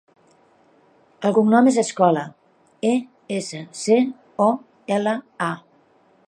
El cognom és Escola: e, essa, ce, o, ela, a.